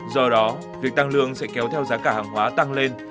do đó việc tăng lương sẽ kéo theo giá cả hàng hóa tăng lên